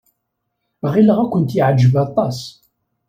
Ɣileɣ ad kent-yeɛjeb aṭas.